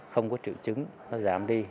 không có triệu chứng nó giảm đi